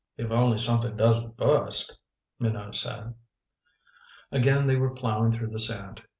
"If only something doesn't bust," Minot said. Again they were plowing through the sand.